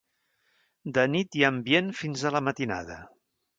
De nit hi ha ambient fins a la matinada.